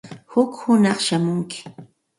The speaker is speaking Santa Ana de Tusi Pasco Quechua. Huk hunaq shamunki.